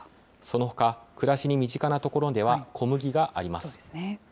そのほか、暮らしに身近なところでは小麦があります。